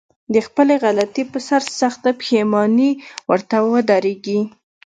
د خپلې غلطي په سر سخته پښېماني ورته ودرېږي.